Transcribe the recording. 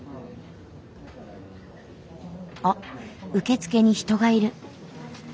あっ受付に人がいる。